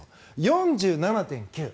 ４７．９。